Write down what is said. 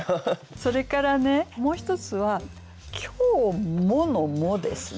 それからねもう一つは「今日も」の「も」ですね。